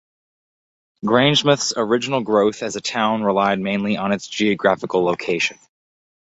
Grangemouth's original growth as a town relied mainly on its geographical location.